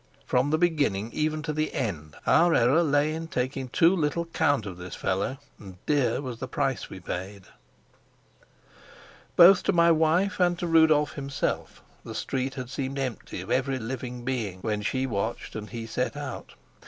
From the beginning even to the end our error lay in taking too little count of this fellow, and dear was the price we paid. Both to my wife and to Rudolf himself the street had seemed empty of every living being when she watched and he set out.